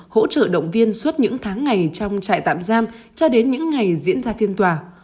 hỗ trợ động viên suốt những tháng ngày trong trại tạm giam cho đến những ngày diễn ra phiên tòa